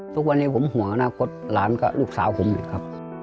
ทุกวันนี้ผมหัวหน้ากฎหลานก็ลูกสาวผมเลยค่ะ